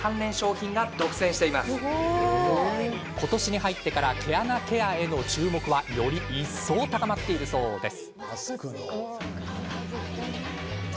今年に入ってから毛穴ケアへの注目はより一層、高まっているそうです。